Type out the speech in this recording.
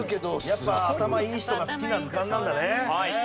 やっぱ頭いい人が好きな図鑑なんだね。